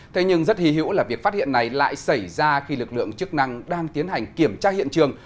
thế nhưng rất hì hữu là việc phát hiện này lại xảy ra khi lực lượng chức năng đang tiến hành kiểm tra hiện trường